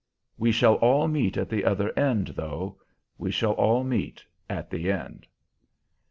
We shall all meet at the other end, though we shall all meet at the end."